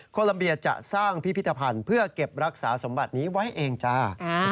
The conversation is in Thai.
โลเบียจะสร้างพิพิธภัณฑ์เพื่อเก็บรักษาสมบัตินี้ไว้เองจ้า